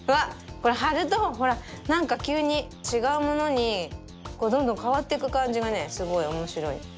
これはるとほらなんかきゅうにちがうものにどんどんかわっていくかんじがねすごいおもしろい。